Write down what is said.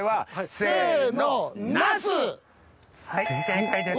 正解です。